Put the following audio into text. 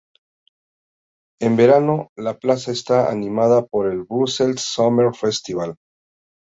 En verano, la plaza está animada por el "Brussels Summer Festival".